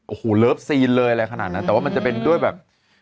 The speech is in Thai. โอ้โหเลิฟซีนเลยอะไรขนาดนั้นแต่ว่ามันจะเป็นด้วยแบบ